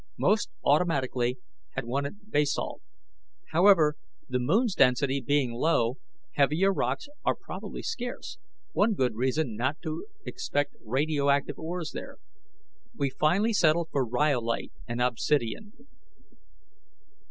Most, automatically, had wanted basalt. However, the moon's density being low, heavier rocks are probably scarce one good reason not to expect radioactive ores there. We finally settled for rhyolite and obsidian.